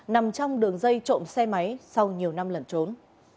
nằm trong đường dây trộm xe máy sau nhiều năm lần trốn